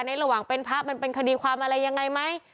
ระหว่างเป็นพระมันเป็นคดีความอะไรยังไงไหม